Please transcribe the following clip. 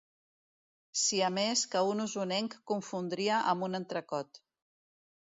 Siamès que un osonenc confondria amb un entrecot.